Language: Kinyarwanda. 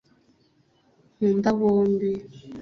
nkunda bombi